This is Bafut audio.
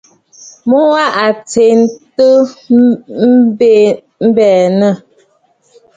Mu wa a tsɛ̂tə̀ m̀benə.